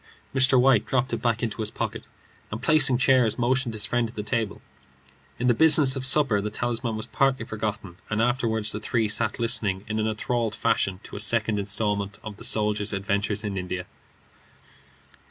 Mr. White dropped it back in his pocket, and placing chairs, motioned his friend to the table. In the business of supper the talisman was partly forgotten, and afterward the three sat listening in an enthralled fashion to a second instalment of the soldier's adventures in India.